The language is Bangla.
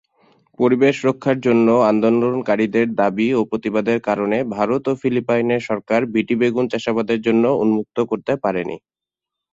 পরিবেশ রক্ষার জন্য আন্দোলনকারীদের দাবি ও প্রতিবাদের কারণে ভারত ও ফিলিপাইনের সরকার বিটি বেগুন চাষাবাদের জন্যে উন্মুক্ত করতে পারেনি।